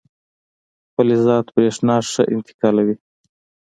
فلزات برېښنا ښه انتقالوي.